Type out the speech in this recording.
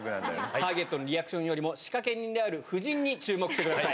ターゲットのリアクションよりも、仕掛け人である夫人に注目してください。